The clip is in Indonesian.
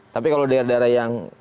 tapi kalau daerah daerah yang